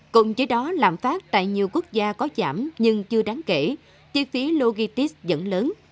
cùng với đó làm phát tại nhiều quốc gia có giảm nhưng chưa đáng kể chi phí logitis vẫn lớn